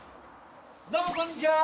どうもこんにちは！